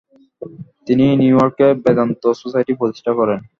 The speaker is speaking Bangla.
তিনি নিউইয়র্কে বেদান্ত সোসাইটি প্রতিষ্ঠা করেন।